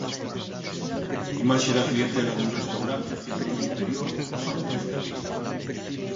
Imaxe da clientela dun restaurante, ceando no interior, o pasado mes de abril.